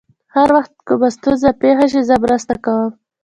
هر وخت کومه ستونزه پېښ شي، زه مرسته کوم.